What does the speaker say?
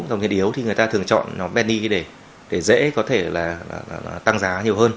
dòng tiền yếu thì người ta thường chọn bendy để dễ có thể là tăng giá nhiều hơn